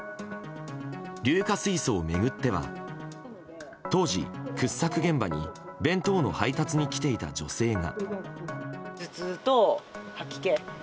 硫化水素を巡っては当時、掘削現場に弁当の配達に来ていた女性が。